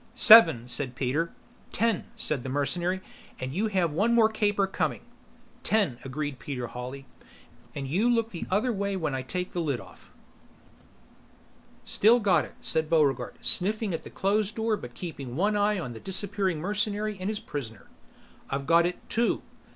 "Seven," said Peter. "Ten," said the mercenary, "and you have one more caper coming." "Ten," agreed Peter Hawley, "and you look the other way when I take the lid off." "Still got it," said Buregarde, sniffing at the closed door but keeping one eye on the disappearing mercenary and his prisoner. "I've got it, too.